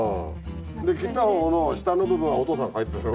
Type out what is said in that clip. で切った方の下の部分はお父さんはいてたの？